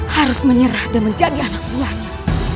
harus menyerah dan menjadi anak buahnya